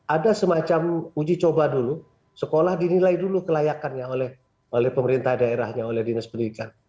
ada semacam uji coba dulu sekolah dinilai dulu kelayakannya oleh pemerintah daerahnya oleh dinas pendidikan